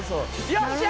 よっしゃ！